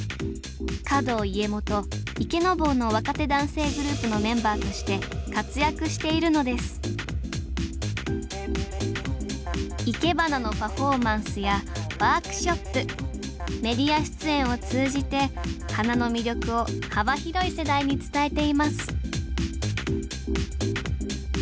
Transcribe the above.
華道家元「池坊」の若手男性グループのメンバーとして活躍しているのですいけばなのパフォーマンスやワークショップメディア出演を通じて花の魅力を幅広い世代に伝えています